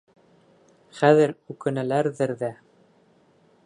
Хәҙер үкенәләрҙер ҙә...